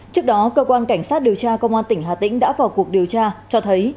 trước đó cơ quan cảnh sát điều tra công an tỉnh hà tĩnh đã vào cuộc điều tra cho thấy